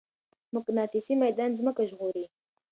مقناطيسي ميدان ځمکه ژغوري.